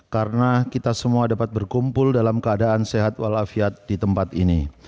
karena kita semua dapat berkumpul dalam keadaan sehat walafiat di tempat ini